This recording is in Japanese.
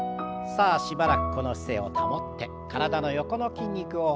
さあしばらくこの姿勢を保って体の横の筋肉を程よく伸ばしましょう。